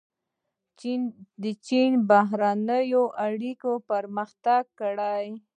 چین په بهرنیو اړیکو کې پرمختګ کړی.